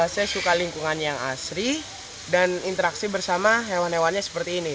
saya suka lingkungan yang asri dan interaksi bersama hewan hewannya seperti ini